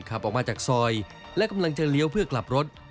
ขับออกมาจากซอยและกำลังจะเลี้ยวเพื่อกลับรถ